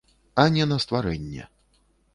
А не на стварэнне.